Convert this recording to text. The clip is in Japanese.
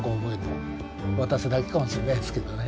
私だけかもしれないですけどね。